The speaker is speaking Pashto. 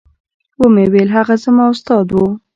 ومې ويل هغه زما استاد و.